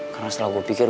karena setelah gue pikir